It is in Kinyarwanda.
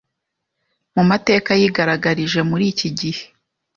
Mu mateka yigaragarije muri iki gihe